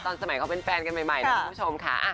สมัยเขาเป็นแฟนกันใหม่นะคุณผู้ชมค่ะ